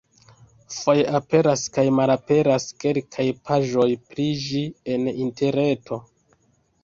Foje aperas kaj malaperas kelkaj paĝoj pri ĝi en interreto.